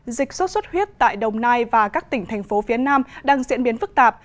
dịch sốt xuất huyết tại đồng nai và các tỉnh thành phố phía nam đang diễn biến phức tạp